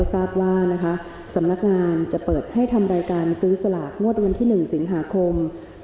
ทราบว่าสำนักงานจะเปิดให้ทำรายการซื้อสลากงวดวันที่๑สิงหาคม๒๕๖